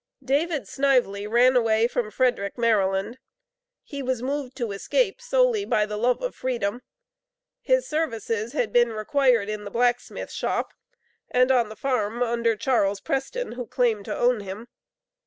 David Snively ran away from Frederick, Maryland. He was moved to escape solely by the love of freedom. His services had been required in the blacksmith shop, and on the farm under Charles Preston, who claimed to own him.